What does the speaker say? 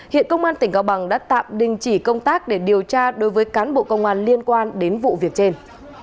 hiện công an tỉnh cao bằng đã tạm đình chỉ công tác để điều tra đối với cán bộ công an liên quan đến vụ việc trên